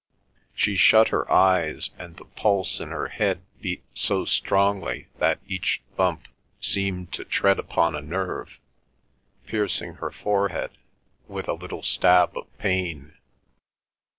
She shut her eyes, and the pulse in her head beat so strongly that each thump seemed to tread upon a nerve, piercing her forehead with a little stab of pain.